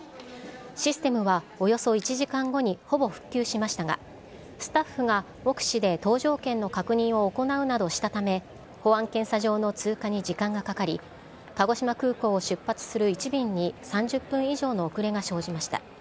システムはおよそ１時間後にほぼ復旧しましたが、スタッフが目視で搭乗券の確認を行うなどしたため、保安検査場の通過に時間がかかり、鹿児島空港を出発する１便に３０分以上の遅れが生じました。